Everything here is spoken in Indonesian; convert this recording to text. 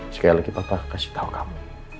sekali lagi papa akan kasih tahu kamu